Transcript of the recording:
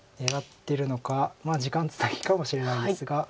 時間つなぎかもしれないですが。